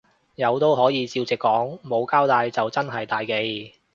有都可以照直講，冇交帶就真係大忌